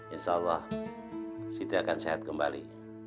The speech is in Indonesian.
insya allah siti akan sehat kembali